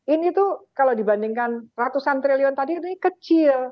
ini tuh kalau dibandingkan ratusan triliun tadi ini kecil